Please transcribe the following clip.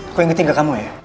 aku ingetin gak kamu ya